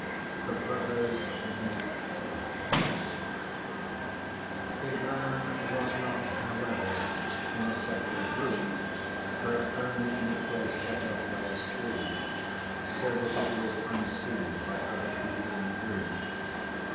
The Brothers Make Friends Ivan was not, however, in a separate room, but only in a place shut off by a screen, so that it was unseen by other people in the room.